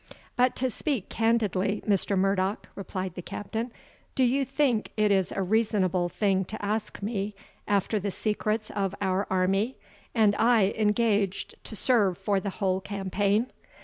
"But to speak candidly, Mr. Murdoch," replied the Captain "do you think it is a reasonable thing to ask me after the secrets of our army, and I engaged to serve for the whole campaign?